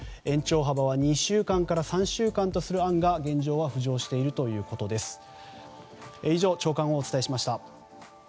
延長幅は２週間から３週間とする案が現状は浮上しているということです。